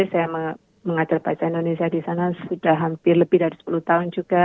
saya mengajar bahasa indonesia di sana sudah hampir lebih dari sepuluh tahun juga